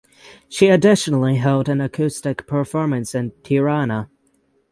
She additionally held an acoustic performance in Tirana.